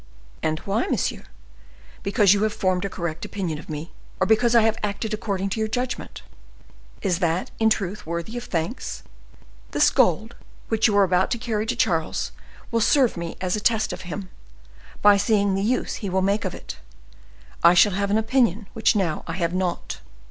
"And why, monsieur? Because you have formed a correct opinion of me, or because I have acted according to your judgment? Is that, in truth, worthy of thanks? This gold which you are about to carry to Charles will serve me as a test for him, by seeing the use he will make of it. I shall have an opinion which now I have not."